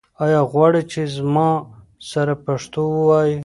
آیا غواړې چې زما سره پښتو ووایې؟